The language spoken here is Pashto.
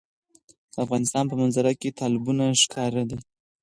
د افغانستان په منظره کې تالابونه ښکاره ده.